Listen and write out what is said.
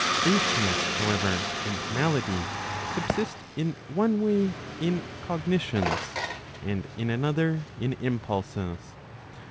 Baseness, however, and malady, subsist in one way in cognitions, and in another in impulses.